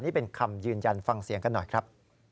นี่เป็นคำยืนยันฟังเสียงกันหน่อยครับ